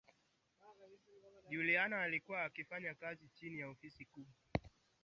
Juliana alikuwa akifanya kazi chini ya ofisi fukuzi